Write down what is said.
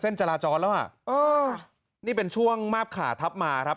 จราจรแล้วอ่ะเออนี่เป็นช่วงมาบขาทับมาครับ